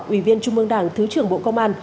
ủy viên trung mương đảng thứ trưởng bộ công an